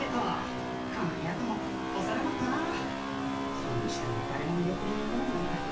それにしてもだれも見送りに来ないなんて